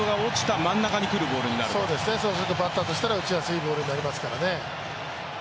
バッターとしたら打ちやすいボールになりますからね。